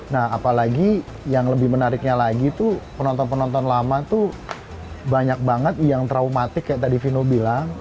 nah apalagi yang lebih menariknya lagi tuh penonton penonton lama tuh banyak banget yang traumatik kayak tadi vino bilang